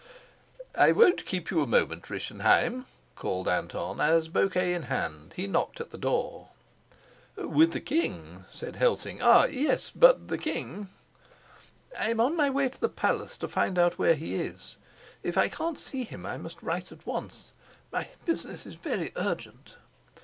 "I won't keep you a moment, Rischenheim," called Anton, as, bouquet in hand, he knocked at the door. "With the king?" said Helsing. "Ah, yes, but the king " "I'm on my way to the palace to find out where he is. If I can't see him, I must write at once. My business is very urgent."